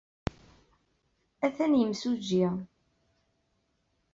Atan yimsujji.